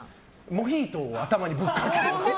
モヒートを頭にぶっかける。